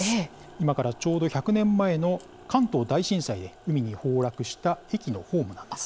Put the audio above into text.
今からちょうど１００年前の関東大震災で海に崩落した駅のホームなんです。